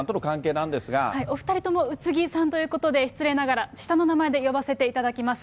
なんお２人とも宇津木さんということで、失礼ながら、下の名前で呼ばせていただきます。